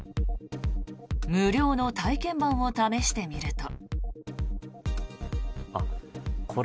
無料の体験版を試してみると。